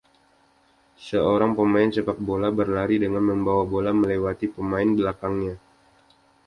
Seorang pemain sepak bola berlari dengan membawa bola melewati pemain belakangnya